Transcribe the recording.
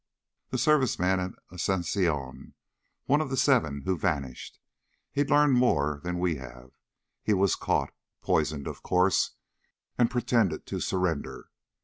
"The Service man at Asunción. One of the seven who vanished. He'd learned more than we have. He was caught poisoned, of course and pretended to surrender.